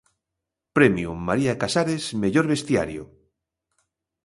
Premio María Casares mellor vestiario.